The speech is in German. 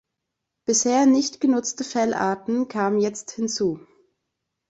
Bisher nicht genutzte Fellarten kamen jetzt hinzu.